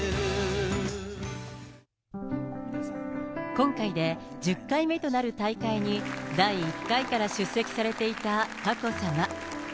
今回で１０回目となる大会に、第１回から出席されていた佳子さま。